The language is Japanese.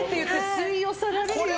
吸い寄せられるような。